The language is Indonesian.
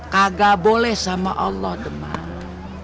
kagak boleh sama allah demam